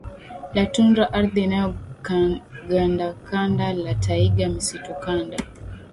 la tundra ardhi iliyogandakanda la taiga misitukanda